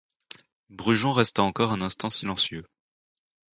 Brujon resta encore un instant silencieux.